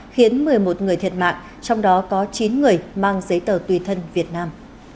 khiến một mươi một người thiệt mạng trong đó có chín người mang giấy tờ tùy thân việt nam